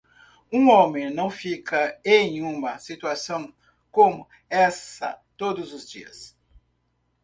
Um homem não fica em uma situação como essa todos os dias.